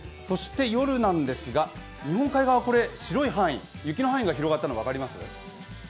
そして夜なんですが日本海側、白い範囲、雪の範囲が広がったの、分かります？